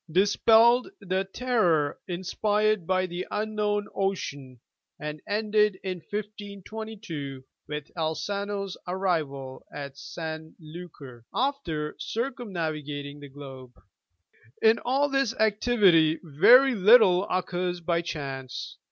dispelled the terror inspired by the unknown ocean, and ended in 1522 with Elcano's arrival at Sanlucar after circumnavigating the globe. In all this activity very little occurs by chance.